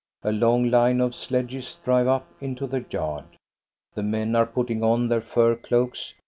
A long line of sledges drive up into the yard. The men are putting on their fur cloaks.